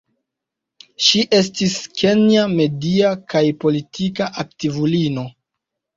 Ŝi estis kenja media kaj politika aktivulino.